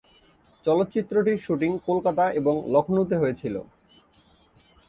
চলচ্চিত্রটির শুটিং কোলকাতা এবং লখনউতে হয়েছিলো।